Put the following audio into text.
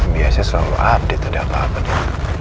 biasanya selalu update ada apa apa